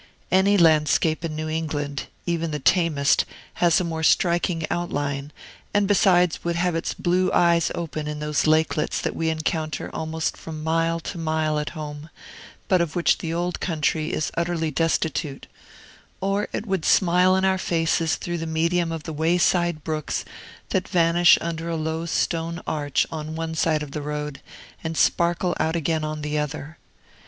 Any landscape in New England, even the tamest, has a more striking outline, and besides would have its blue eyes open in those lakelets that we encounter almost from mile to mile at home, but of which the Old Country is utterly destitute; or it would smile in our faces through the medium of the wayside brooks that vanish under a low stone arch on one side of the road, and sparkle out again on the other.